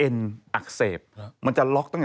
จากธนาคารกรุงเทพฯ